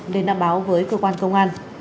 để đảm báo với cơ quan công an